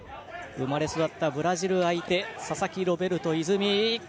生まれ育ったブラジル相手佐々木ロベルト泉。